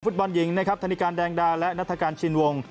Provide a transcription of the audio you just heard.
บอลหญิงนะครับธนิการแดงดาและนัฐกาลชินวง